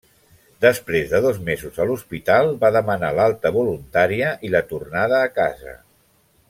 Després de dos mesos a l'hospital, va demanar l'alta voluntària i la tornada a casa.